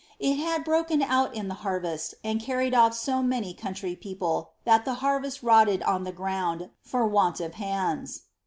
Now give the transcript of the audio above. It had broken out in the harvest, and carried otiTso many country people, that the harvest rotted on the ground for want of liands.